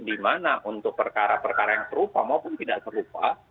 di mana untuk perkara perkara yang serupa maupun tidak serupa